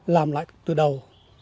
làm lại từ đầu